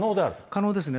可能ですね。